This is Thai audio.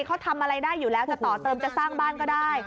เขาทำอะไรได้อยู่แล้วจะต่อเติมจะสร้างบ้านก็ได้